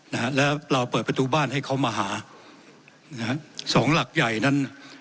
นะฮะแล้วเราเปิดประตูบ้านให้เขามาหานะฮะสองหลักใหญ่นั้น